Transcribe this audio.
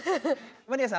マリアさん。